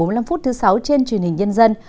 năm h bốn mươi năm phút thứ sáu trên truyền hình nhân dân